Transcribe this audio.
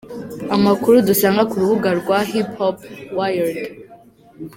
Amakuru dusanga ku rubuga rwa Hiphopwired.